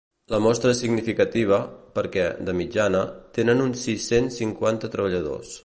La mostra és significativa, perquè, de mitjana, tenen uns sis-cents cinquanta treballadors.